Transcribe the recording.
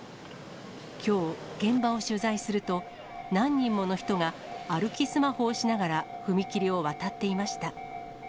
きょう、現場を取材すると、何人もの人が、歩きスマホをしながら、踏切を渡っていました。